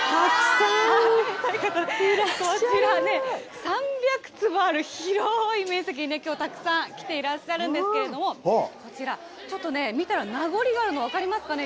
こちら３００坪ある広い面積にね、きょう、たくさん来ていらっしゃるんですけれども、こちら、ちょっとね、見たら、名残があるの分かりますかね。